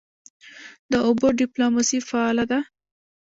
د اوبو ډیپلوماسي فعاله ده؟